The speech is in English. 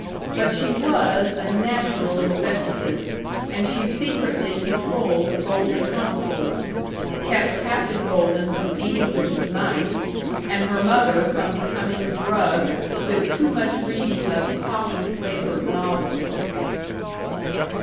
But she was a natural executive and she secretly controlled the Golden household; kept Captain Golden from eating with his knife, and her mother from becoming drugged with too much reading of poppy flavored novels.